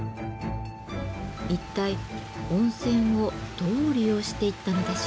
一体温泉をどう利用していったのでしょうか。